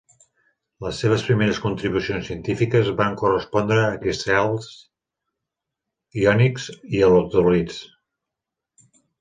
Les seves primeres contribucions científiques van correspondre a cristalls iònics i electròlits.